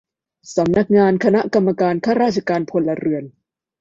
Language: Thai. สำนักงานคณะกรรมการข้าราชการพลเรือน